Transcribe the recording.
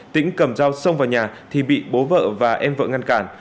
tĩnh cầm dao xông vào nhà thì bị bố vợ và em vợ ngăn cản